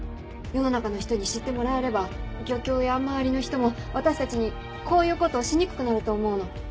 世の中の人に知ってもらえれば漁協や周りの人も私たちにこういうことをしにくくなると思うの。